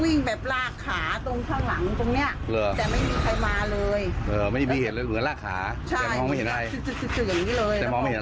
อย่างนี้เลยไม่เห็นอะไรมันมืดไปหมด